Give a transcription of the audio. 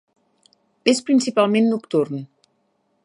És principalment nocturn.